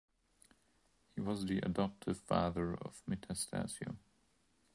He was the adoptive father of Metastasio.